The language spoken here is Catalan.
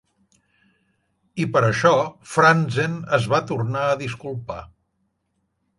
I per això Franzen es va tornar a disculpar.